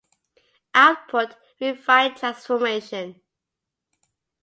Output: refined transformation.